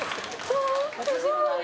すごい。